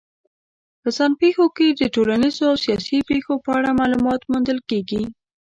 په ځان پېښو کې د ټولنیزو او سیاسي پېښو په اړه معلومات موندل کېږي.